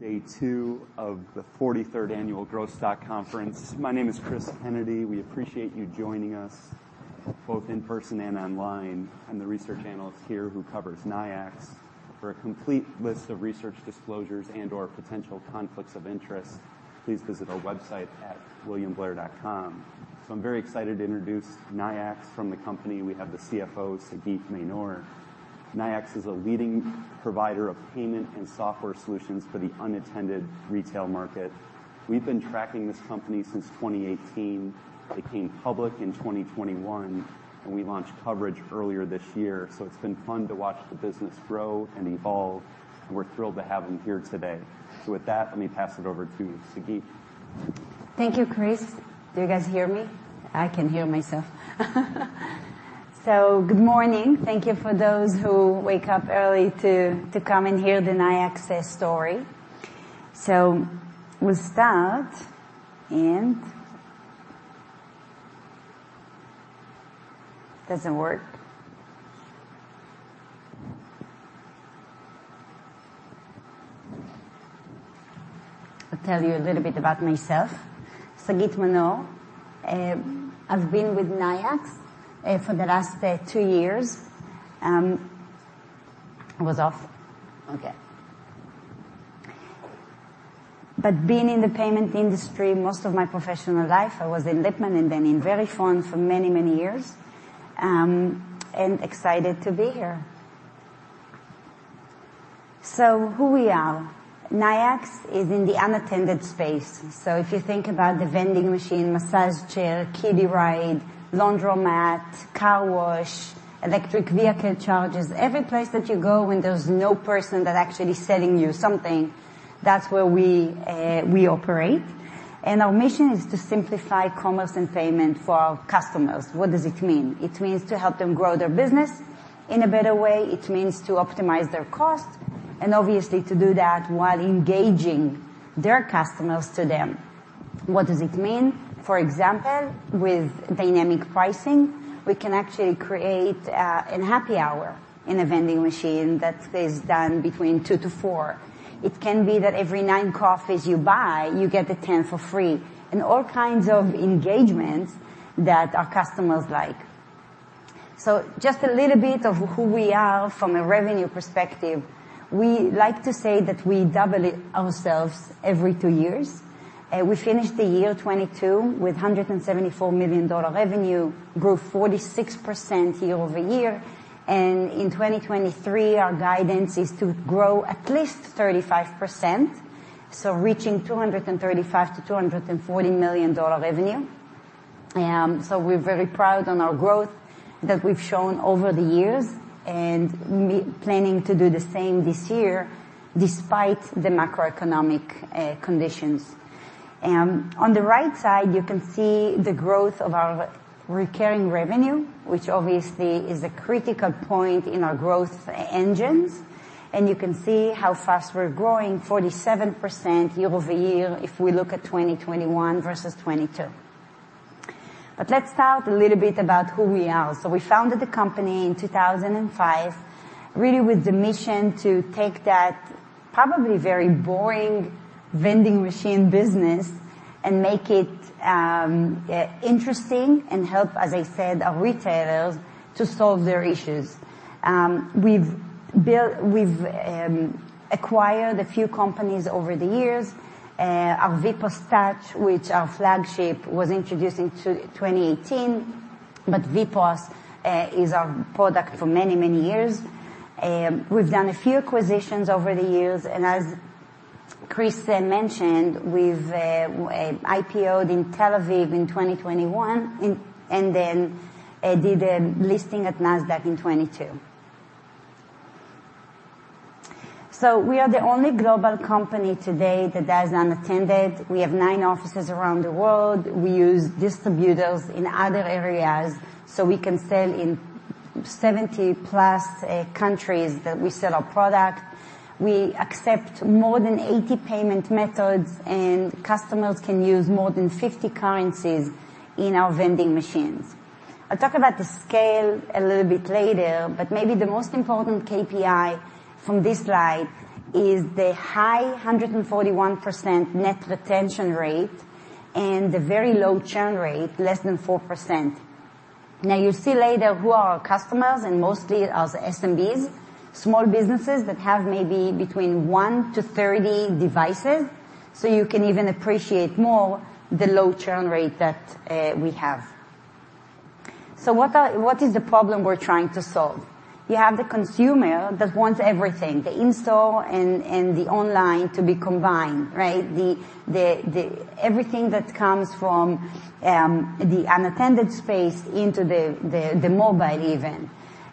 Day 2 of the 43rd Annual Growth Stock Conference. My name is Chris Kennedy. We appreciate you joining us, both in person and online. I'm the research analyst here who covers Nayax. For a complete list of research disclosures and/or potential conflicts of interest, please visit our website at williamblair.com. I'm very excited to introduce Nayax. From the company, we have the CFO, Sagit Manor. Nayax is a leading provider of payment and software solutions for the unattended retail market. We've been tracking this company since 2018. They came public in 2021, and we launched coverage earlier this year. It's been fun to watch the business grow and evolve, and we're thrilled to have them here today. With that, let me pass it over to Sagit. Thank you, Chris. Do you guys hear me? I can hear myself. Good morning. Thank you for those who wake up early to come and hear the Nayax story. We'll start. Doesn't work? I'll tell you a little bit about myself. Sagit Manor. I've been with Nayax for the last two years. It was off? Okay. Been in the payment industry most of my professional life. I was in Lipman and then in Verifone for many years. Excited to be here. Who we are? Nayax is in the unattended space. If you think about the vending machine, massage chair, kiddie ride, laundromat, car wash, electric vehicle chargers, every place that you go, when there's no person that actually selling you something, that's where we operate. Our mission is to simplify commerce and payment for our customers. What does it mean? It means to help them grow their business in a better way. It means to optimize their cost, and obviously, to do that while engaging their customers to them. What does it mean? For example, with dynamic pricing, we can actually create a happy hour in a vending machine that is done between 2 to 4. It can be that every 9 coffees you buy, you get the 10th for free, and all kinds of engagement that our customers like. Just a little bit of who we are from a revenue perspective. We like to say that we double it ourselves every 2 years. We finished the year 2022 with $174 million revenue, grew 46% year-over-year. In 2023, our guidance is to grow at least 35%, reaching $235 million to $240 million revenue. We're very proud on our growth that we've shown over the years and planning to do the same this year, despite the macroeconomic conditions. On the right side, you can see the growth of our recurring revenue, which obviously is a critical point in our growth engines, you can see how fast we're growing, 47% year-over-year, if we look at 2021 versus 2022. Let's talk a little bit about who we are. We founded the company in 2005, really with the mission to take that probably very boring vending machine business and make it interesting and help, as I said, our retailers to solve their issues. We've acquired a few companies over the years. Our VPOS Touch, which our flagship, was introduced into 2018, but VPOS is our product for many years. We've done a few acquisitions over the years, and as Chris mentioned, we've IPO'd in Tel Aviv in 2021 and then did a listing at Nasdaq in 2022. We are the only global company today that does unattended. We have nine offices around the world. We use distributors in other areas, we can sell in 70+ countries that we sell our product. We accept more than 80 payment methods, and customers can use more than 50 currencies in our vending machines. I'll talk about the scale a little bit later, but maybe the most important KPI from this slide is the high 141% net retention rate and the very low churn rate, less than 4%. You'll see later who are our customers, and mostly are SMBs, small businesses that have maybe between 1 to 30 devices, so you can even appreciate more the low churn rate that we have. What is the problem we're trying to solve? You have the consumer that wants everything, the in-store and the online to be combined, right? Everything that comes from the unattended space into the mobile, even.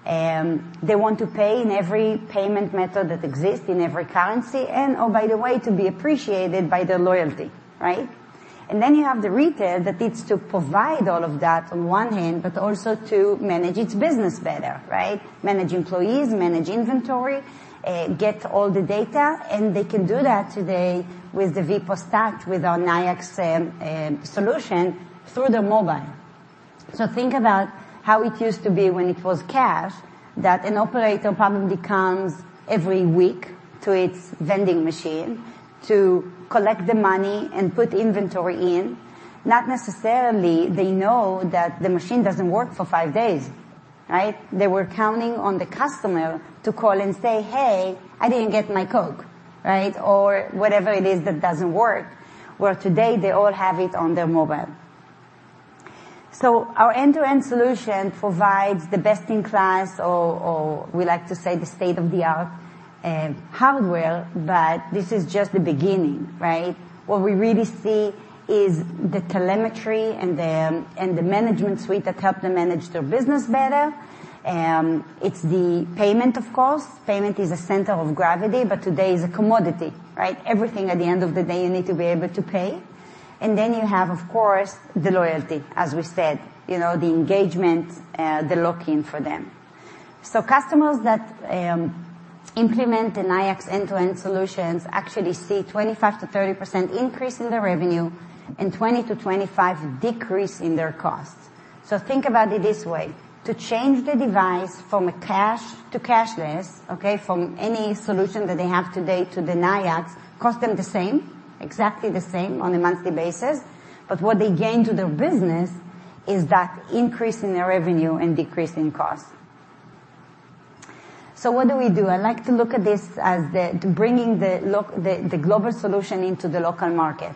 They want to pay in every payment method that exists in every currency. Oh, by the way, to be appreciated by their loyalty, right? You have the retailer that needs to provide all of that on one hand, but also to manage its business better, right? Manage employees, manage inventory, get all the data. They can do that today with the VPOS Touch, with our Nayax solution through the mobile.... Think about how it used to be when it was cash, that an operator probably comes every week to its vending machine to collect the money and put inventory in. Not necessarily they know that the machine doesn't work for five days, right? They were counting on the customer to call and say, "Hey, I didn't get my Coke," right? Whatever it is that doesn't work. Today, they all have it on their mobile. Our end-to-end solution provides the best-in-class, or we like to say, the state-of-the-art hardware, but this is just the beginning, right? What we really see is the telemetry and the management suite that help them manage their business better. It's the payment, of course. Payment is a center of gravity, but today is a commodity, right? Everything, at the end of the day, you need to be able to pay. Then you have, of course, the loyalty, as we said, you know, the engagement, the lock-in for them. Customers that implement the Nayax end-to-end solutions actually see 25%-30% increase in their revenue and 20%-25% decrease in their costs. Think about it this way: to change the device from a cash to cashless, okay, from any solution that they have today to the Nayax, cost them exactly the same on a monthly basis, but what they gain to their business is that increase in their revenue and decrease in costs. What do we do? I like to look at this as bringing the global solution into the local market.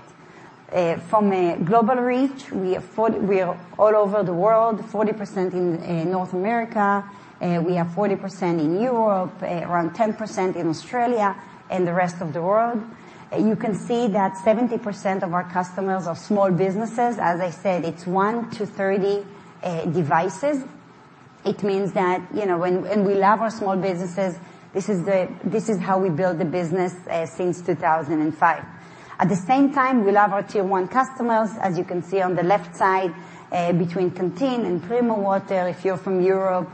From a global reach, we are all over the world, 40% in North America, we have 40% in Europe, around 10% in Australia and the rest of the world. You can see that 70% of our customers are small businesses. As I said, it's 1 to 30 devices. It means that, you know, we love our small businesses. This is how we build the business since 2005. At the same time, we love our tier one customers. As you can see on the left side, between Canteen and Primo Water, if you're from Europe,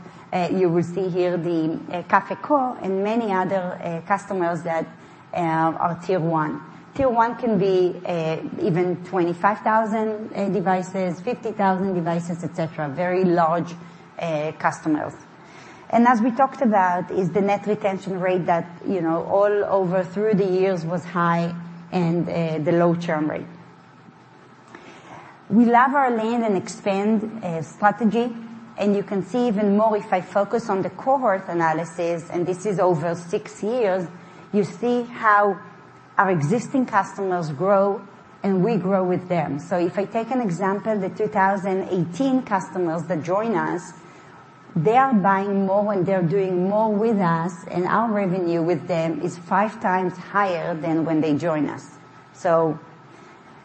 you will see here the café+co and many other customers that are tier one. Tier one can be even 25,000 devices, 50,000 devices, et cetera. Very large customers. As we talked about, is the net retention rate that, you know, all over through the years was high and the low churn rate. We love our land and expand strategy, and you can see even more if I focus on the cohort analysis, and this is over 6 years, you see how our existing customers grow, and we grow with them. If I take an example, the 2018 customers that join us, they are buying more and they are doing more with us, and our revenue with them is 5 times higher than when they join us.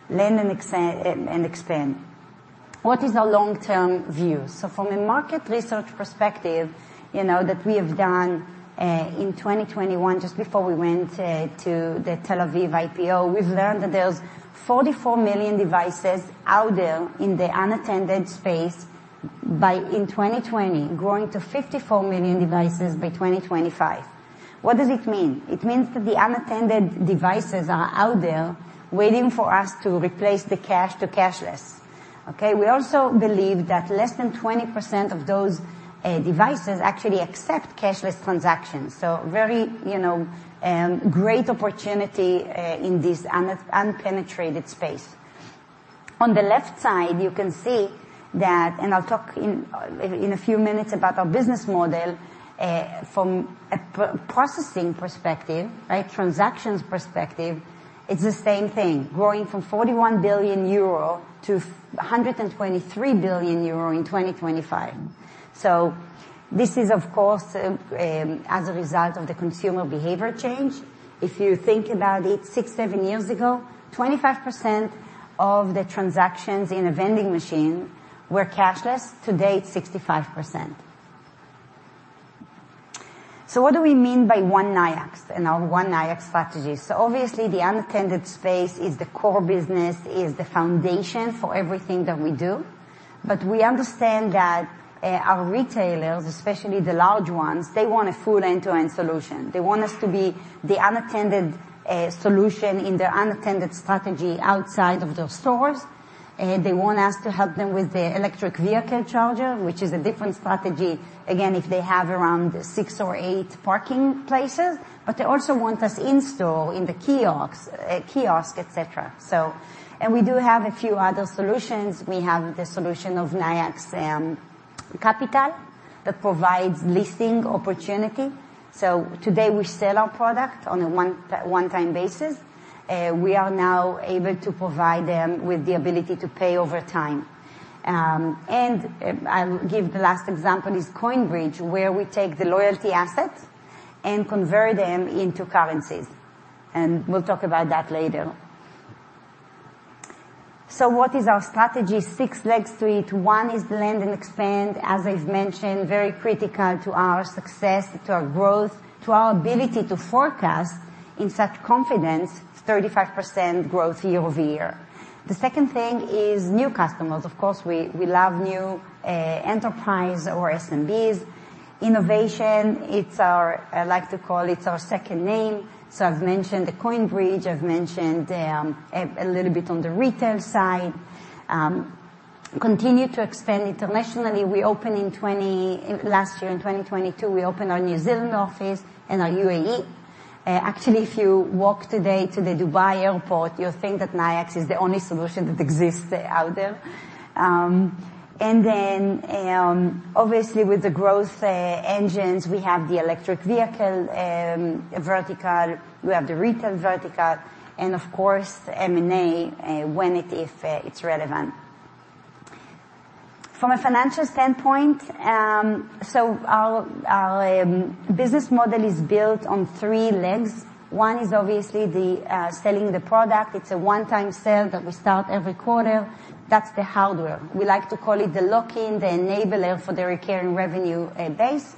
Land and expand. What is our long-term view? From a market research perspective, you know, that we have done in 2021, just before we went to the Tel Aviv IPO, we've learned that there's 44 million devices out there in the unattended space by in 2020, growing to 54 million devices by 2025. What does it mean? It means that the unattended devices are out there waiting for us to replace the cash to cashless. We also believe that less than 20% of those devices actually accept cashless transactions, so very, you know, great opportunity in this unpenetrated space. On the left side, you can see that, and I'll talk in a few minutes about our business model from a processing perspective, right, transactions perspective, it's the same thing, growing from 41 billion euro to 123 billion euro in 2025. This is, of course, as a result of the consumer behavior change. If you think about it, six, seven years ago, 25% of the transactions in a vending machine were cashless. Today, it's 65%. What do we mean by One Nayax and our One Nayax strategy? Obviously, the unattended space is the core business, is the foundation for everything that we do. We understand that our retailers, especially the large ones, they want a full end-to-end solution. They want us to be the unattended solution in their unattended strategy outside of their stores, and they want us to help them with their electric vehicle charger, which is a different strategy, again, if they have around 6 or 8 parking places, but they also want us in-store, in the kiosks, et cetera. We do have a few other solutions. We have the solution of Nayax Capital that provides leasing opportunity. Today, we sell our product on a one-time basis. We are now able to provide them with the ability to pay over time. I'll give the last example, is CoinBridge, where we take the loyalty assets and convert them into currencies, and we'll talk about that later. What is our strategy? Six-leg stool. One is the land and expand, as I've mentioned, very critical to our success, to our growth, to our ability to forecast in such confidence, 35% growth year-over-year. The second thing is new customers. Of course, we love new enterprise or SMBs. Innovation, it's our... I like to call it our second name. I've mentioned the CoinBridge, I've mentioned a little bit on the retail side... continue to expand internationally. Last year, in 2022, we opened our New Zealand office and our UAE. Actually, if you walk today to the Dubai airport, you'll think that Nayax is the only solution that exists out there. Obviously, with the growth engines, we have the electric vehicle vertical, we have the retail vertical, and of course, M&A, when it, if, it's relevant. From a financial standpoint, our business model is built on three legs. One is obviously the selling the product. It's a one-time sale that we start every quarter. That's the hardware. We like to call it the lock-in, the enabler for the recurring revenue base.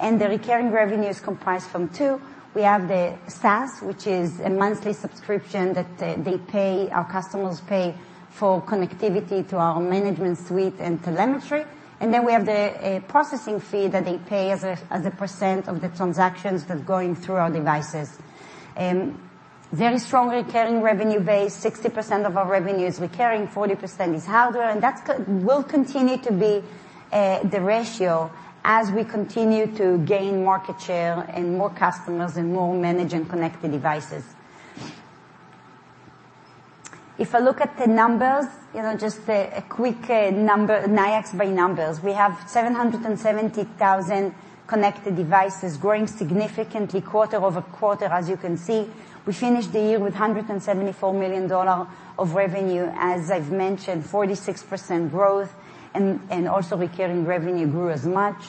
The recurring revenue is comprised from two. We have the SaaS, which is a monthly subscription that they pay, our customers pay for connectivity to our management suite and telemetry. We have the processing fee that they pay as a % of the transactions that are going through our devices. Very strong recurring revenue base, 60% of our revenue is recurring, 40% is hardware, and that's will continue to be the ratio as we continue to gain market share and more customers and more managed and connected devices. If I look at the numbers, you know, just a quick number, Nayax by numbers. We have 770,000 connected devices, growing significantly quarter-over-quarter, as you can see. We finished the year with $174 million of revenue, as I've mentioned, 46% growth, and also recurring revenue grew as much.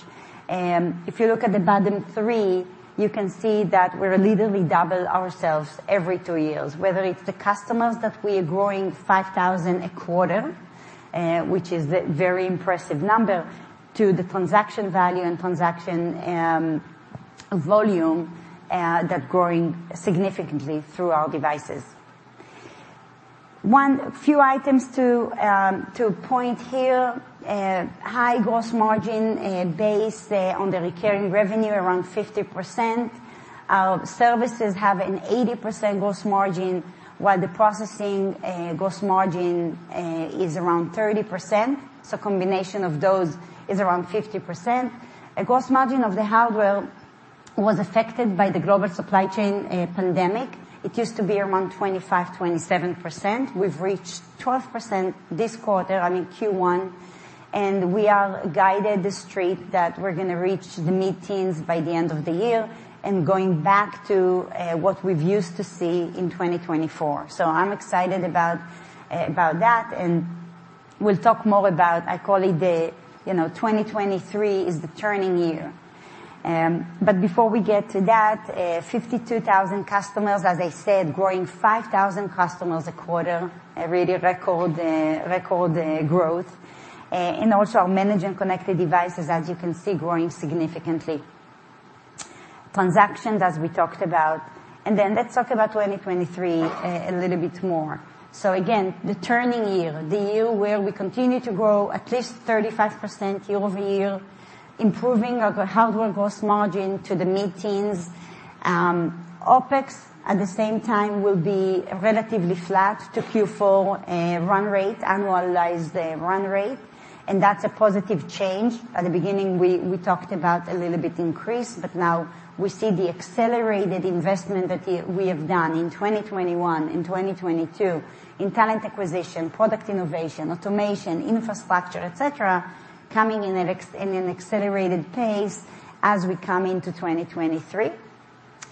If you look at the bottom three, you can see that we're literally double ourselves every two years, whether it's the customers that we are growing 5,000 a quarter, which is a very impressive number, to the transaction value and transaction volume that growing significantly through our devices. Few items to point here. High gross margin base on the recurring revenue, around 50%. Our services have an 80% gross margin, while the processing gross margin is around 30%. Combination of those is around 50%. A gross margin of the hardware was affected by the global supply chain pandemic. It used to be around 25%-27%. We've reached 12% this quarter, I mean, Q1. We are guided the street that we're going to reach the mid-teens by the end of the year and going back to what we've used to see in 2024. I'm excited about that. We'll talk more about I call it the, you know, 2023 is the turning year. Before we get to that, 52,000 customers, as I said, growing 5,000 customers a quarter, a really record growth. Our managed and connected devices, as you can see, growing significantly. Transactions, as we talked about. Let's talk about 2023 a little bit more. Again, the turning year, the year where we continue to grow at least 35% year-over-year, improving our hardware gross margin to the mid-teens. OpEx, at the same time, will be relatively flat to Q4, run rate, annualized run rate, and that's a positive change. At the beginning, we talked about a little bit increase, but now we see the accelerated investment that we have done in 2021, in 2022, in talent acquisition, product innovation, automation, infrastructure, et cetera, coming in an accelerated pace as we come into 2023.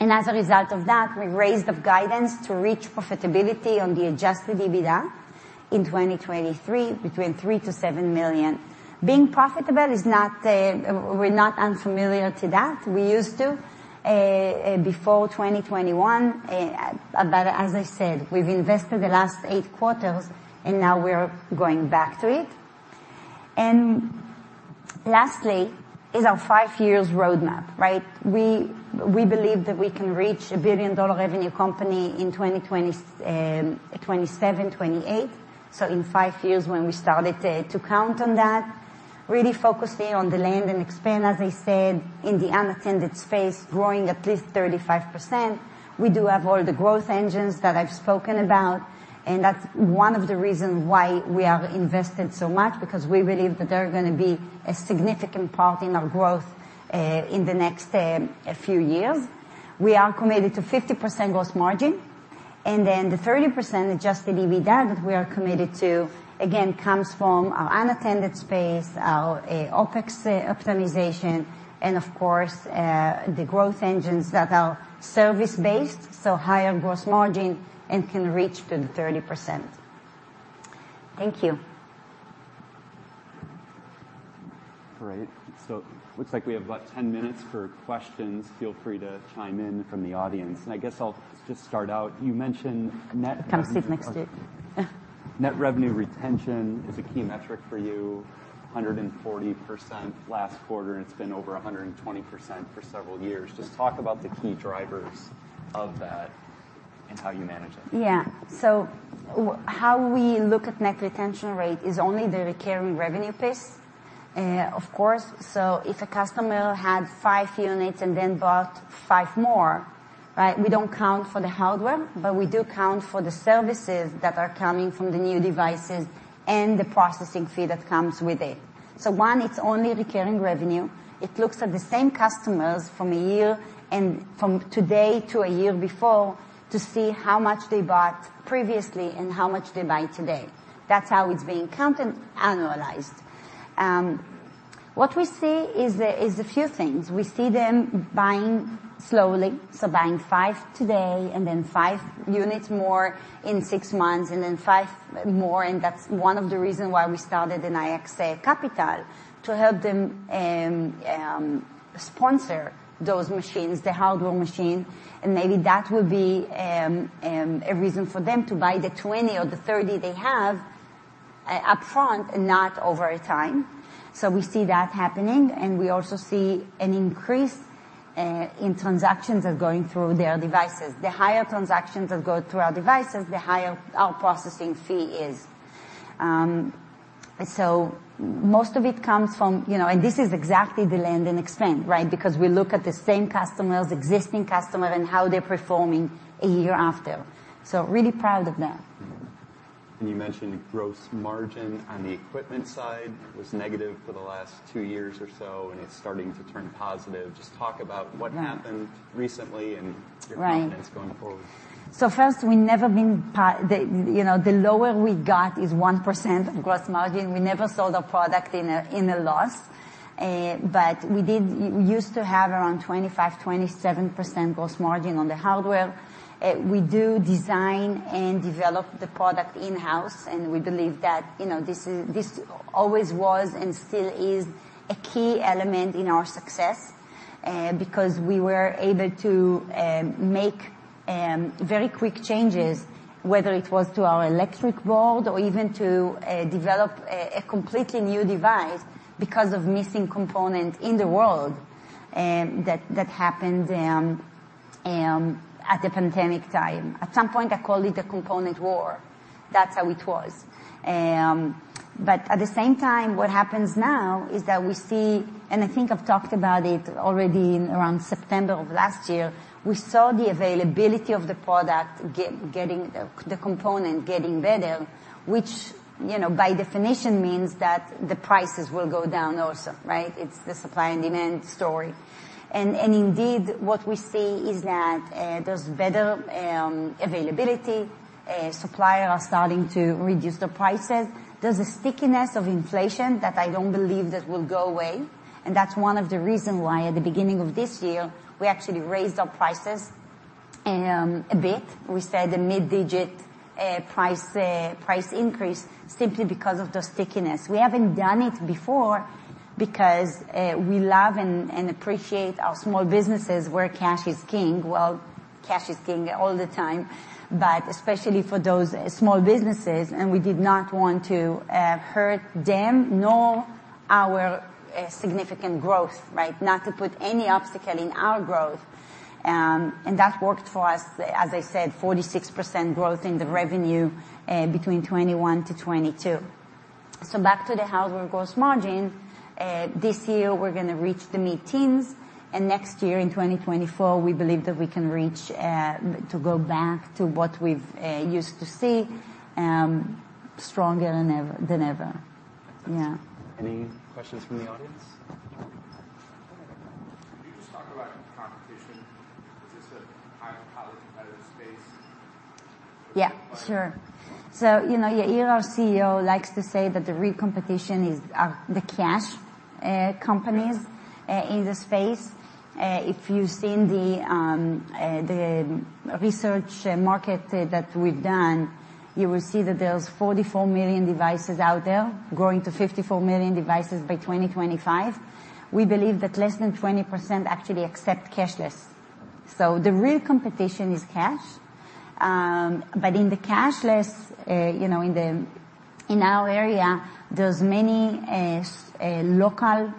As a result of that, we've raised the guidance to reach profitability on the adjusted EBITDA in 2023, between $3 million-$7 million. Being profitable is not, we're not unfamiliar to that. We used to, before 2021. As I said, we've invested the last 8 quarters, and now we're going back to it. Lastly is our 5 years roadmap, right? We believe that we can reach a billion-dollar revenue company in 2027, 2028. In five years, when we started to count on that, really focusing on the land and expand, as I said, in the unattended space, growing at least 35%. We do have all the growth engines that I've spoken about, and that's one of the reasons why we have invested so much, because we believe that they're gonna be a significant part in our growth, in the next, a few years. We are committed to 50% gross margin, and then the 30% adjusted EBITDA that we are committed to, again, comes from our unattended space, our OpEx optimization, and of course, the growth engines that are service-based, so higher gross margin and can reach to the 30%. Thank you. Great. Looks like we have about 10 minutes for questions. Feel free to chime in from the audience, and I guess I'll just start out. You mentioned net- Come sit next to you. Net revenue retention is a key metric for you, 140% last quarter, and it's been over 120% for several years. Just talk about the key drivers of that and how you manage it? Yeah. How we look at net retention rate is only the recurring revenue piece. Of course, if a customer had 5 units and then bought 5 more, right? We don't count for the hardware, but we do count for the services that are coming from the new devices and the processing fee that comes with it. One, it's only recurring revenue. It looks at the same customers from a year and from today to a year before, to see how much they bought previously and how much they buy today. That's how it's being counted and annualized. What we see is a few things. We see them buying slowly, so buying 5 today and then 5 units more in 6 months, and then 5 more. That's one of the reasons why we started in Nayax Capital, to help them sponsor those machines, the hardware machine. Maybe that would be a reason for them to buy the 20 or the 30 they have upfront and not over a time. We see that happening, and we also see an increase in transactions that are going through their devices. The higher transactions that go through our devices, the higher our processing fee is. Most of it comes from... You know, this is exactly the land and expand, right? Because we look at the same customers, existing customers, and how they're performing a year after. Really proud of that. You mentioned gross margin on the equipment side was negative for the last 2 years or so, and it's starting to turn positive. Just talk about what happened? Yeah recently and Right plans going forward. first, we've never been. The, you know, the lower we got is 1% gross margin. We never sold a product in a, in a loss. We used to have around 25%-27% gross margin on the hardware. We do design and develop the product in-house, we believe that, you know, this is, this always was and still is a key element in our success, because we were able to make very quick changes, whether it was to our electric board or even to develop a completely new device because of missing components in the world, that happened at the pandemic time. At some point, I call it the component war. That's how it was. At the same time, what happens now is that we see... I think I've talked about it already in around September of last year, we saw the availability of the product getting, the component getting better, which, you know, by definition, means that the prices will go down also, right? It's the supply and demand story. Indeed, what we see is that there's better availability, suppliers are starting to reduce the prices. There's a stickiness of inflation that I don't believe that will go away, and that's one of the reasons why, at the beginning of this year, we actually raised our prices a bit. We said a mid-digit price increase simply because of the stickiness. We haven't done it before because we love and appreciate our small businesses, where cash is king. Well, cash is king all the time, but especially for those small businesses, and we did not want to hurt them, nor our significant growth, right? Not to put any obstacle in our growth. That worked for us. As I said, 46% growth in the revenue between 2021 to 2022. Back to the hardware gross margin this year, we're going to reach the mid-teens, and next year, in 2024, we believe that we can reach to go back to what we've used to see stronger than ever. Any questions from the audience? Can you just talk about competition? Is this a high competitive space? Yeah, sure. You know, Yair, our CEO, likes to say that the real competition are the cash companies. Yeah in the space. If you've seen the research market that we've done, you will see that there's 44 million devices out there, growing to 54 million devices by 2025. We believe that less than 20% actually accept cashless. The real competition is cash. In the cashless, you know, in the, in our area, there's many local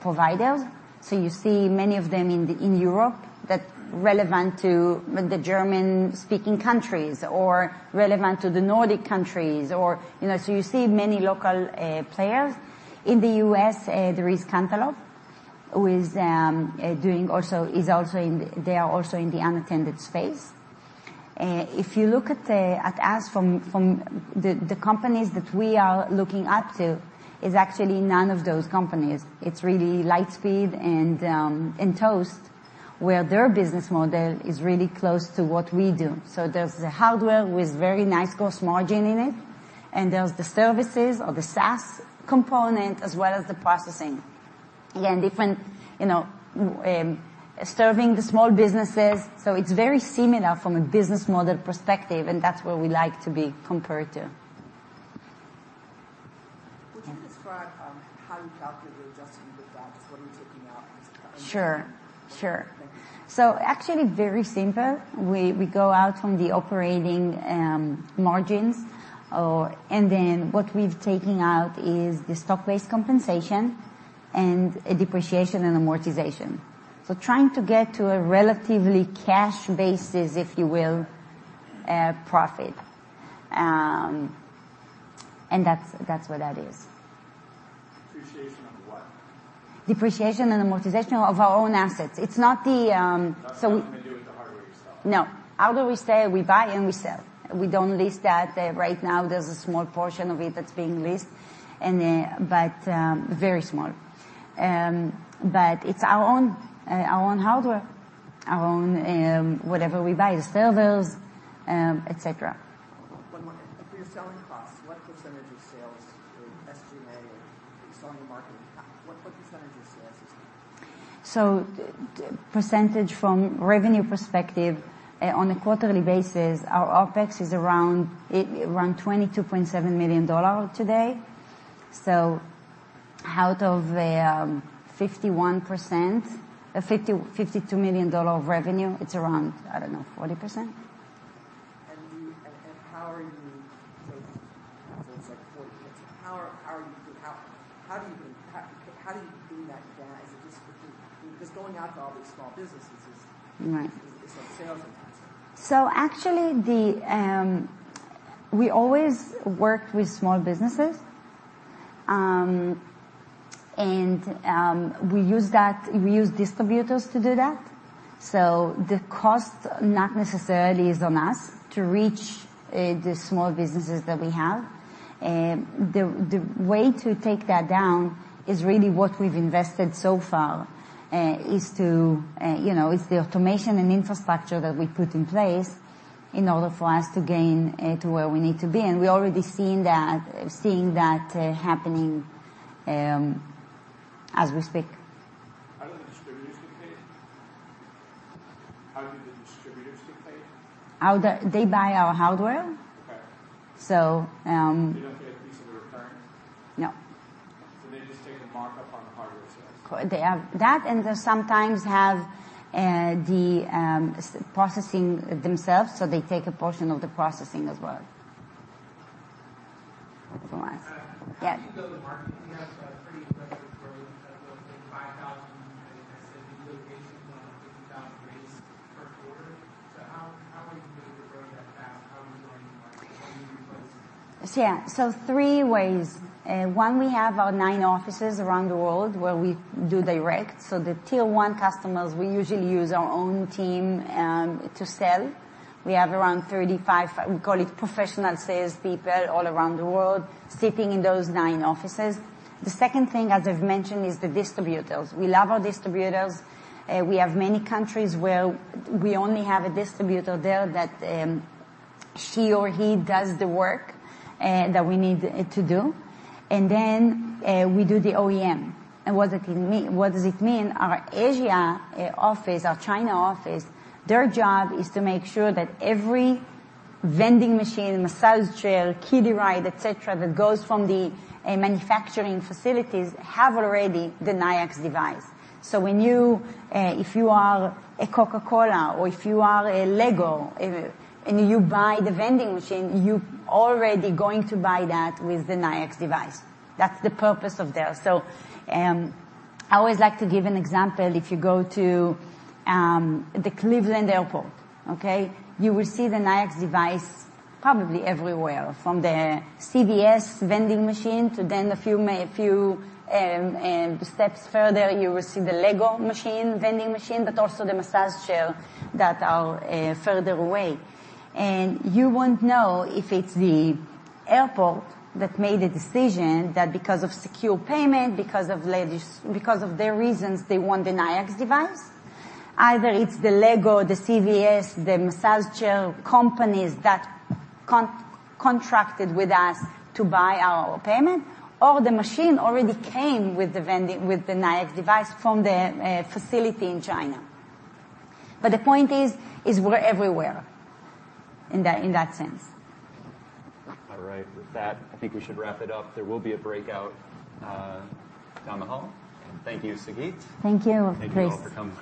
providers. You see many of them in the, in Europe that relevant to the German-speaking countries or relevant to the Nordic countries, or... You know, you see many local players. In the US, there is Cantaloupe, who is doing also, they are also in the unattended space. If you look at us from... The companies that we are looking up to, is actually none of those companies. It's really Lightspeed and Toast, where their business model is really close to what we do. There's the hardware with very nice gross margin in it, and there's the services or the SaaS component, as well as the processing. Again, different, you know, serving the small businesses, so it's very similar from a business model perspective, and that's where we like to be compared to. Would you describe, how you calculate the adjusted EBITDA? What are you taking out? Sure, sure. Thank you. Actually, very simple. We go out from the operating margins, and then what we've taken out is the stock-based compensation and depreciation and amortization. Trying to get to a relatively cash basis, if you will, profit. That's what that is. Depreciation of what? Depreciation and amortization of our own assets. It's not the That's having to do with the hardware you sell? No. Hardware we sell, we buy and we sell. We don't lease that. Right now, there's a small portion of it that's being leased, and, but, very small. It's our own, our own hardware, our own, whatever we buy, the servers, et cetera. One more. For your selling costs, what % of sales in SG&A or selling and marketing, what % of sales is that? Percentage from revenue perspective, on a quarterly basis, our OpEx is around $22.7 million today. Out of $52 million of revenue, it's around, I don't know, 40%? How are you, so it's like 40%. How are you? How do you even? How do you do that again? As a distribution, because going out to all these small businesses is. Right. is a sales and marketing. The, we always work with small businesses. We use that, we use distributors to do that. The cost not necessarily is on us to reach the small businesses that we have. The, the way to take that down is really what we've invested so far, is to, you know, is the automation and infrastructure that we put in place in order for us to gain to where we need to be. We're already seeing that happening as we speak. How do the distributors get paid? They buy our hardware. Okay. So, um- They don't get a piece of the return? No. They just take a markup on the hardware sales. They have that, and they sometimes have, the processing themselves, so they take a portion of the processing as well. Last. Yes. How did you build the marketing? You have a pretty impressive growth, like 5,000, like I said, unique locations, 50,000 rates per quarter. How are you able to grow that fast? How are you going to market? Yeah. 3 ways. One, we have our 9 offices around the world where we do direct. The tier 1 customers, we usually use our own team to sell. We have around 35, we call it professional sales people all around the world, sitting in those 9 offices. The second thing, as I've mentioned, is the distributors. We love our distributors. We have many countries where we only have a distributor there that she or he does the work that we need it to do. We do the OEM. What does it mean? Our Asia office, our China office, their job is to make sure that every vending machine, massage chair, kiddie ride, et cetera, that goes from the manufacturing facilities have already the Nayax device. When you, if you are a Coca-Cola or if you are a LEGO, and you buy the vending machine, you already going to buy that with the Nayax device. That's the purpose of that. I always like to give an example. If you go to the Cleveland Airport, you will see the Nayax device probably everywhere, from the CVS vending machine to then a few steps further, you will see the LEGO machine, vending machine, but also the massage chair that are further away. You won't know if it's the airport that made the decision that because of secure payment, because of their reasons, they want the Nayax device. Either it's the LEGO, the CVS, the massage chair companies that contracted with us to buy our payment, or the machine already came with the vending, with the Nayax device from the facility in China. The point is, we're everywhere in that, in that sense. All right. With that, I think we should wrap it up. There will be a breakout down the hall. Thank you, Sagit. Thank you. Thank you all for coming.